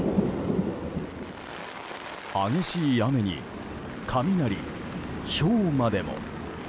激しい雨に雷、ひょうまでも。